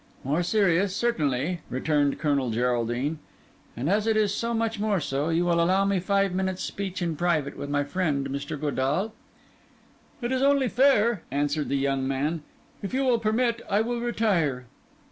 "More serious, certainly," returned Colonel Geraldine; "and as it is so much more so, will you allow me five minutes' speech in private with my friend, Mr. Godall?" "It is only fair," answered the young man. "If you will permit, I will retire."